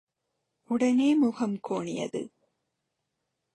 உடனே முகம் கோணியது.